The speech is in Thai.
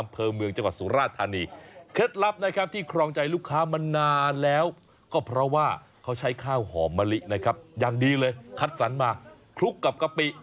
เพราะว่าเค้าใช้ข้าวหอมมะลินะครับอย่างดีเลยคัดสรรมาคลุกกับกะปิ